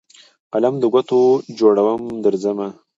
قلم دګوټو جوړوم درځمه